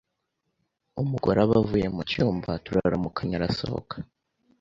umugore aba avuye mu cyumba, turaramukanya arasohoka